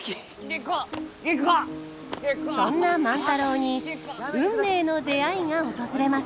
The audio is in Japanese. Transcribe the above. そんな万太郎に運命の出会いが訪れます。